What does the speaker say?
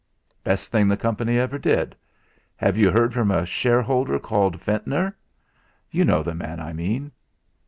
"Best thing the company ever did. Have you heard from a shareholder called Ventnor. You know the man I mean?"